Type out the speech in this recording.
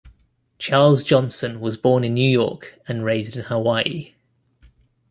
Charles Johnson was born in New York and raised in Hawaii.